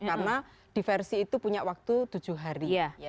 karena diversi itu punya waktu tujuh hari